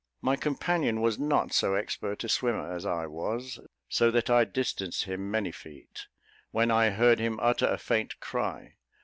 My companion was not so expert a swimmer as I was, so that I distanced him many feet, when I heard him utter a faint cry.